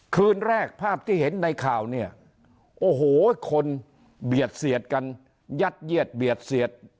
คืนแรกภาพที่เห็นในข่าวเนี่ยโอ้โหคนเบียดเสียดกันยัดเยียดเบียดเสียด